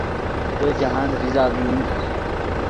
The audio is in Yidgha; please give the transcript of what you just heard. زو جاہند ریزہ ڤئیم